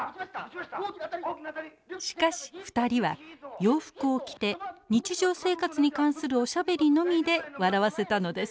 しかし２人は洋服を着て日常生活に関するおしゃべりのみで笑わせたのです。